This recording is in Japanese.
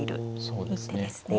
そうですね。